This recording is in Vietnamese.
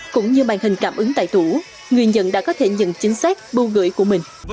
cũng như màn hình cảm ứng tại tủ người nhận đã có thể nhận chính xác bưu gửi của mình